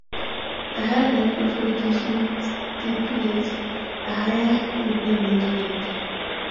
The higher level of education stipulates a higher employment rate.